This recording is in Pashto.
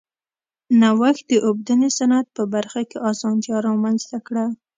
نوښت د اوبدنې صنعت په برخه کې اسانتیا رامنځته کړه.